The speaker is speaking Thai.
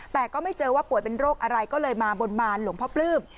แต่ก็ไม่เจอว่าป่วยเป็นโรคอะไรก็เลยมาบนบานหลวงพ่อปลื้ม